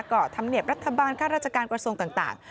ก็ธรรมเนียบรัฐบาลค่าราชการกระทรวงต่าง